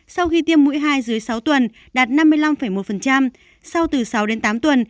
sau khi tiêm mũi hai dưới sáu tuần đạt năm mươi năm một sau từ sáu đến tám tuần